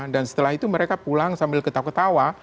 dan setelah itu mereka pulang sambil ketawa ketawa